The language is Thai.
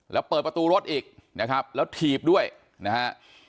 แล้วเปิดประตูรถอีกนะครับแล้วถีบด้วยนะฮะ